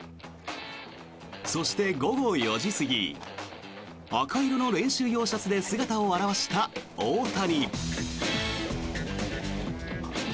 そして、午後４時過ぎ赤色の練習用シャツで姿を現した大谷。